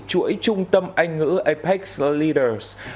chuỗi trung tâm anh ngữ apex leaders